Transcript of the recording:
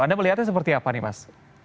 anda melihatnya seperti apa nih mas